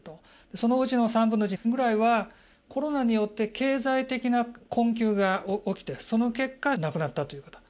そのうちの３分の１ぐらいはコロナによって経済的な困窮が起きてその結果、亡くなったという方。